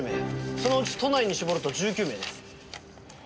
そのうち都内に絞ると１９名です。